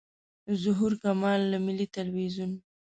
ظهور کمال له ملي تلویزیون.